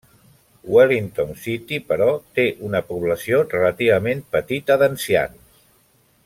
Wellington City, però, té una població relativament petita d'ancians.